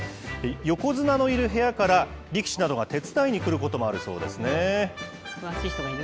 横綱のいる部屋から、力士などが手伝いに来ることもあるそうですね。